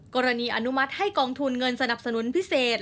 อนุมัติให้กองทุนเงินสนับสนุนพิเศษ